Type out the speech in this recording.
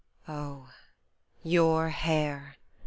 Oh ! your hair